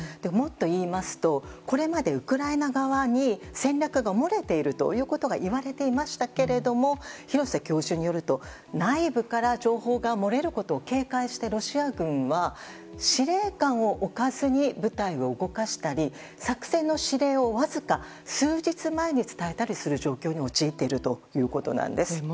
もっと言いますとこれまでウクライナ側に戦略がもれているということが言われていましたけども廣瀬教授によると内部から情報が漏れることを警戒してロシア軍は司令官を置かずに部隊を動かしたり作戦の指令をわずか数日前に伝えたりする状況に陥っているということなんです。